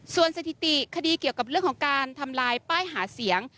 ส่วนสถิติคดีเกี่ยวกับเรื่องของการทำลายป้ายหาเสียง